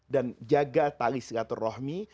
dan jaga tali silaturrahmi